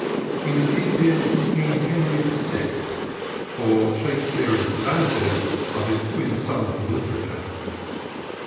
He was deep in "King Henry VI," for Shakespeare and Cervantes are his twin suns of literature.